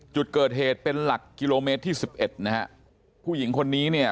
จุดเกิดเหตุเป็นหลักกิโลเมตรที่สิบเอ็ดนะฮะผู้หญิงคนนี้เนี่ย